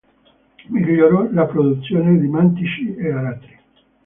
Migliorò la produzione di mantici e aratri.